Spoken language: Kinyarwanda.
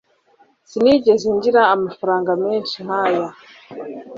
sinigeze ngira amafaranga menshi nkaya